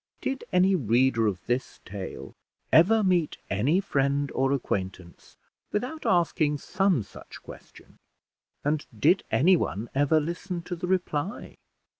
Did any reader of this tale ever meet any friend or acquaintance without asking some such question, and did anyone ever listen to the reply?